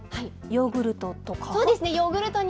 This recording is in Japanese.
ヨーグルトとか？